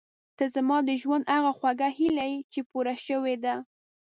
ته زما د ژوند هغه خوږه هیله یې چې پوره شوې ده.